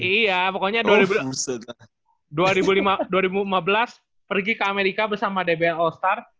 iya pokoknya dua ribu lima belas pergi ke amerika bersama dbl all star